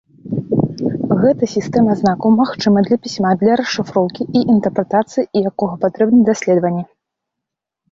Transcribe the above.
Гэта сістэма знакаў, магчыма для пісьма, для расшыфроўкі і інтэрпрэтацыі якога патрэбны даследаванні.